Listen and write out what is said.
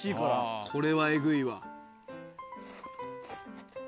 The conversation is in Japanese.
これはえぐいわ。